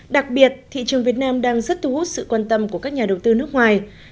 đặc biệt thị trường việt nam đang rất thu hút sự quan tâm của các nhà đầu tư nước ngoài